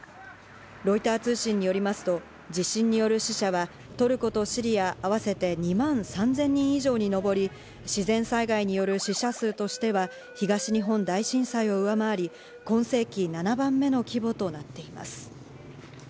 ロイター通信によりますと地震による死者はトルコとシリア合わせて２万３０００人以上にのぼり、自然災害による死者数としては東日本大震災を上回り、今世紀７番目の規模となっています。